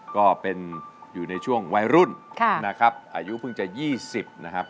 ก็อยู่ในช่วงวัยรุ่นอายุเพิ่งจะ๒๐นะครับ